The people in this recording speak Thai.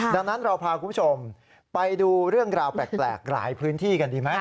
ดังนั้นเราพาคุณผู้ชมไปดูเรื่องราวแปลกหลายพื้นที่กันดีไหม